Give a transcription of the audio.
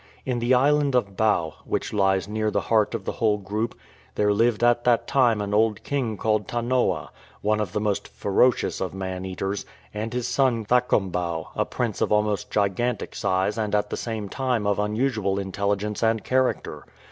In the island of Bau, which lies near the heart of the whole group, there lived at that time an old king called Tanoa, one of the most ferocious of man eaters, and his son Thakombau, a prince of almost gigantic size and at the same time of unusual intelligence and character.